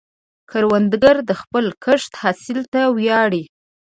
کروندګر د خپل کښت حاصل ته ویاړي